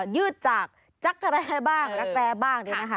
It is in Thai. ยืดจากจักรแร้บ้างรักแร้บ้าง